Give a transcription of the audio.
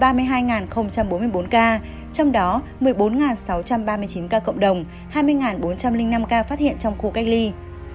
trong đó một mươi bốn sáu trăm ba mươi chín ca cộng đồng hai mươi bốn trăm linh năm ca phát hiện trong khu cách ly